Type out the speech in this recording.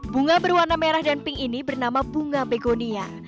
bunga berwarna merah dan pink ini bernama bunga begonia